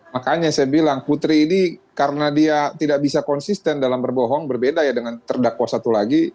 makanya saya bilang putri ini karena dia tidak bisa konsisten dalam berbohong berbeda ya dengan terdakwa satu lagi